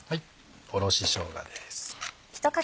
おろししょうがです。